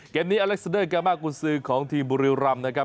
เกมนี้อเล็กซาเดอร์กามากุญซือของทีมบุรีรำนะครับ